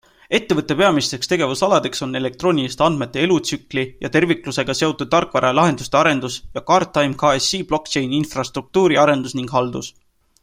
Ettevõtte peamisteks tegevusaladeks on elektrooniliste andmete elütsükli ja terviklusega seotud tarkvara ja lahenduste arendus ja Guardtime KSI blockchain infrastruktuuri arendus ning haldus.